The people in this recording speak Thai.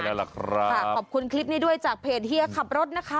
แล้วล่ะครับค่ะขอบคุณคลิปนี้ด้วยจากเพจเฮียขับรถนะคะ